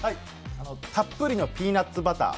たっぷりのピーナッツバター。